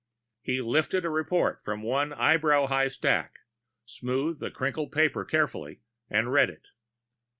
He lifted a report from one eyebrow high stack, smoothed the crinkly paper carefully, and read it.